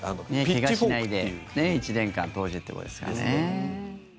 怪我しないで１年間通してっていうことですかね。